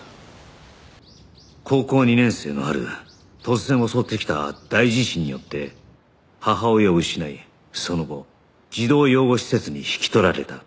高校２年生の春突然襲ってきた大地震によって母親を失いその後児童養護施設に引き取られた